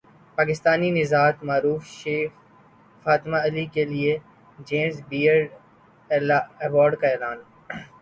پاکستانی نژاد معروف شیف فاطمہ علی کیلئے جیمز بیئرڈ ایوارڈ کا اعلان